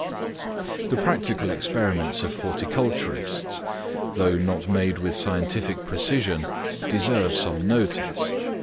The practical experiments of horticulturists, though not made with scientific precision, deserve some notice.